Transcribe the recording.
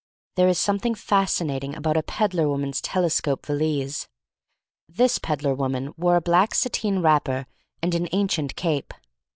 There is something fascinating about a peddler woman's telescope valise. This peddler woman wore a black satine wrapper and an ancient cape.